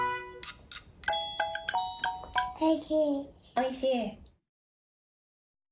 おいしい。